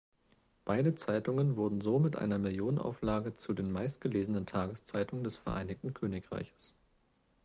Beide Zeitungen wurden so mit einer Millionenauflage zu den meistgelesenen Tageszeitungen des Vereinigten Königreiches.